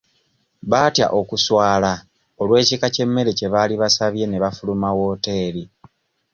Baatya okuswala olw'ekika ky'emmere kye baali basabye ne bafuluma wooteeri.